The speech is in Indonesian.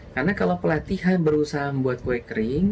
karena kalau pelatihan berusaha membuat kue kering